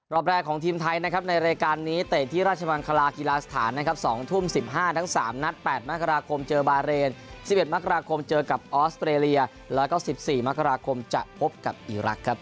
และผมคิดว่าผมคิดว่าผมพิสูจน์สำหรับกลางกายในอิงเกียรติฯ